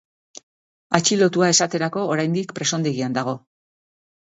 Atxilotua esaterako, oraindik presondegian dago.